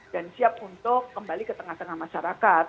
dan siap untuk kembali ke tengah tengah masyarakat